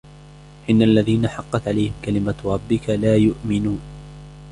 إن الذين حقت عليهم كلمت ربك لا يؤمنون